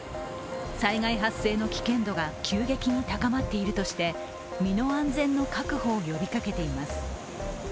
災害発生の危険度が急激に高まっているとして身の安全の確保を呼びかけています。